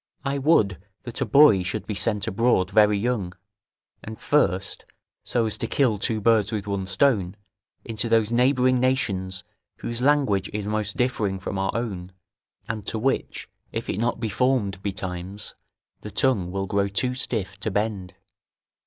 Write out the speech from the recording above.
I would that a boy should be sent abroad very young, and first, so as to kill two birds with one stone, into those neighbouring nations whose language is most differing from our own, and to which, if it be not formed betimes, the tongue will grow too stiff to bend.